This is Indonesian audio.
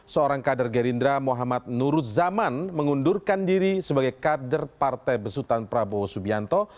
seorang kader gerindra muhammad nuruz zaman mengundurkan diri sebagai kader partai besutan prabowo subianto